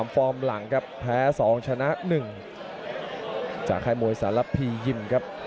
ฟอร์มหลังครับแพ้๒ชนะ๑จากค่ายมวยสารพียิมครับ